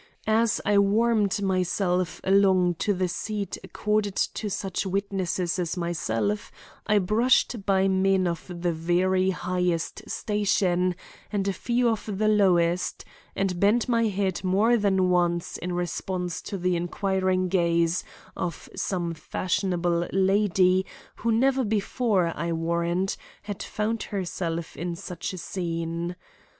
As I wormed myself along to the seat accorded to such witnesses as myself, I brushed by men of the very highest station and a few of the lowest; and bent my head more than once in response to the inquiring gaze of some fashionable lady who never before, I warrant, had found herself in such a scene.